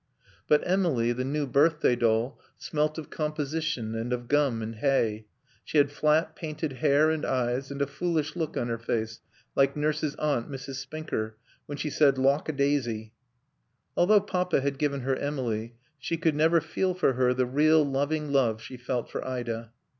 But Emily, the new birthday doll, smelt of composition and of gum and hay; she had flat, painted hair and eyes, and a foolish look on her face, like Nurse's aunt, Mrs. Spinker, when she said "Lawk a daisy!" Although Papa had given her Emily, she could never feel for her the real, loving love she felt for Ida.